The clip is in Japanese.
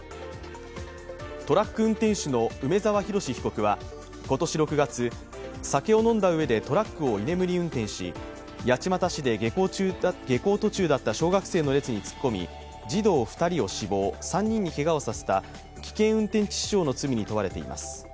トラック運転手の梅沢洋被告は今年６月酒を飲んだうえでトラックを居眠り運転し、八街市で下校中だった小学生の列に突っ込み児童２人を死亡、３人にけがをさせた危険運転致死傷の罪に問われています。